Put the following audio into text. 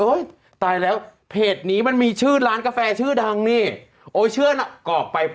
ตายแล้วเพจนี้มันมีชื่อร้านกาแฟชื่อดังนี่โอ้ยเชื่อน่ะกรอกไป